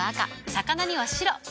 魚には白。